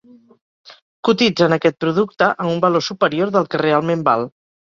Cotitzen aquest producte a un valor superior del que realment val.